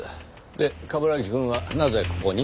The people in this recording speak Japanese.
で冠城くんはなぜここに？